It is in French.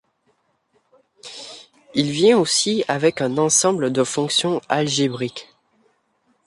Il vient aussi avec un ensemble de fonctions algébriques.